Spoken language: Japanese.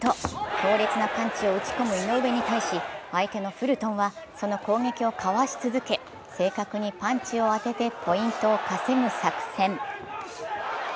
強烈なパンチを打ち込む井上に対し相手のフルトンは、その攻撃をかわし続け、正確にパンチを当ててポイントを稼ぐ作戦。